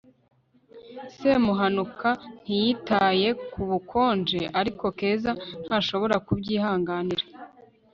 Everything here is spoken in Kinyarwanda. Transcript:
semuhanuka ntiyitaye ku bukonje, ariko keza ntashobora kubyihanganira